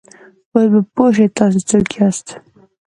اوس به پوه شې، تاسې څوک یاست؟